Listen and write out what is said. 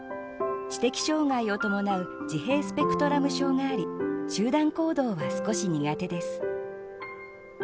知的障害を伴う自閉スペクトラム症があり集団行動が少し苦手です。